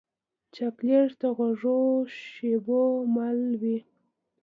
چاکلېټ د خوږو شېبو مل وي.